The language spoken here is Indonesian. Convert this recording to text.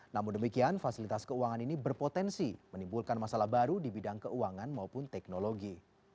namun demikian fasilitas keuangan ini berpotensi menimbulkan masalah baru di bidang keuangan maupun teknologi